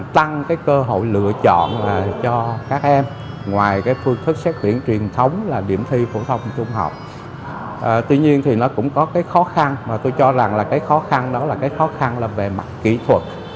tuy nhiên thì nó cũng có cái khó khăn mà tôi cho rằng là cái khó khăn đó là cái khó khăn là về mặt kỹ thuật